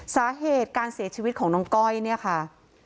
สาเหตุการเสียชีวิตของน้องก้อยเนี่ยค่ะ